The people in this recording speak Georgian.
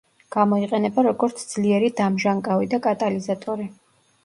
გამოიყენება როგორც ძლიერი დამჟანგავი და კატალიზატორი.